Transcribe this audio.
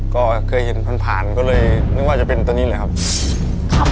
ก็เคยเห็นผ่านผ่านก็เลยนึกว่าจะเป็นตัวนี้เลยครับ